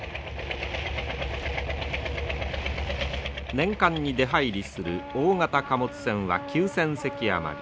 年間に出はいりする大型貨物船は９，０００隻余り。